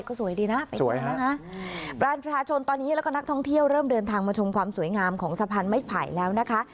ก็สวยดีนะเป็นสวยนะคะประชาชนตอนนี้แล้วก็นักท่องเที่ยวเริ่มเดินทางมาชมความสวยงามของสะพานไม้ไผ่แล้วนะคะ